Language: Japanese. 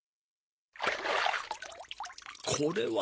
これは。